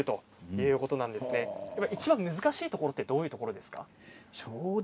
いちばん難しいところはどういうところですか。